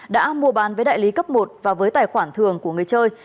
đã mua bán với đại lý cấp một và với tài khoản thường của người chơi